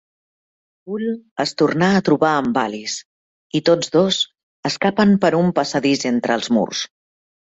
Fool es tornar a trobar amb Alice i tots dos escapen per un passadís entre els murs.